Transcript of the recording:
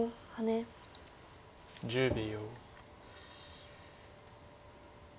１０秒。